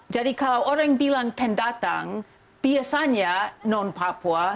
jadi kalau orang bilang pendatang biasanya non papua